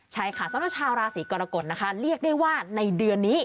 ใช่ค่ะสำหรับชาวราศีกรกฎนะคะเรียกได้ว่าในเดือนนี้